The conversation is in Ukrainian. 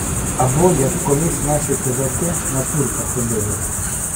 - Або як колись наші козаки на турка ходили.